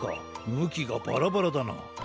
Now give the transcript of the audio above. むきがバラバラだな。